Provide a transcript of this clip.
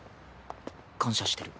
感謝してる。